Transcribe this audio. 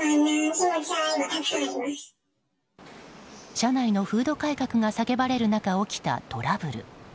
社内の風土改革が叫ばれる中起きたトラブル。